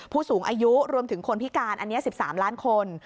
ผู้สูงอายุรวมถึงคนพิการอันนี้๑๓ล้านคน